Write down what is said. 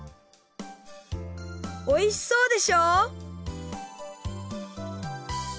おいしそうでしょ？